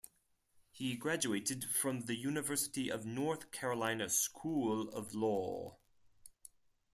He graduated from the University of North Carolina School of Law.